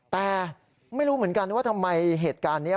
แต่ไม่รู้เหมือนกันว่าทำไมเหตุการณ์นี้